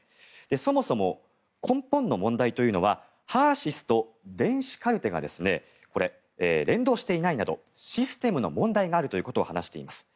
そもそも根本の問題というのはＨＥＲ−ＳＹＳと電子カルテが連動していないなどシステムの問題があるということを話しています。